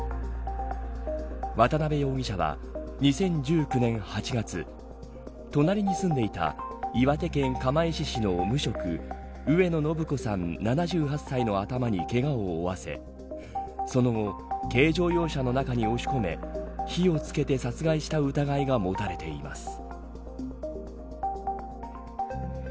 渡部容疑者は２０１９年８月隣に住んでいた岩手県釜石市の無職上野誠子さん、７８歳の頭にけがを負わせその後、軽乗用車の中に押し込め火をつけて殺害した疑いが持たれています。